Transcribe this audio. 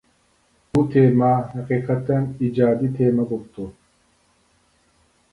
بۇ تېما ھەقىقەتەن ئىجادىي تېما بوپتۇ.